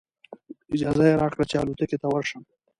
اجازه یې راکړه چې الوتکې ته ورشم.